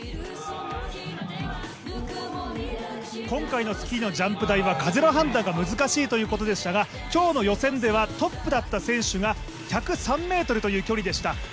今回のスキーのジャンプ台は風の判断が難しいということでしたが、今日の予選ではトップだった選手が１０３ｍという距離でした。